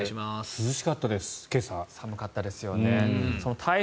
涼しかったです。